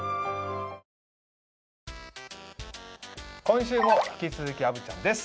今週も引き続き虻ちゃんです。